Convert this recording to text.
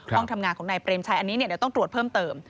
ห้องทำงานของนายเปรมชัยอันนี้เดี๋ยวต้องตรวจเพิ่มเติม